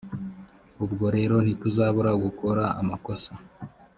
ubwo rero ntituzabura gukora amakosa